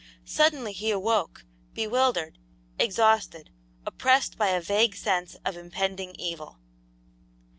Suddenly he awoke, bewildered, exhausted, oppressed by a vague sense of impending evil.